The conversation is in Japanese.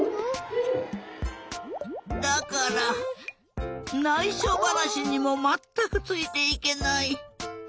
だからないしょばなしにもまったくついていけない。